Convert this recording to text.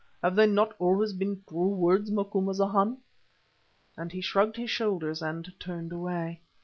Have they not always been true words, Macumazahn?" and he shrugged his shoulders and turned away.